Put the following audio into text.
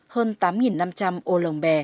hơn tám năm trăm linh ô lồng bè